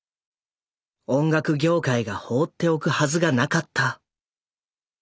音楽業界が放っておくはずがなかった。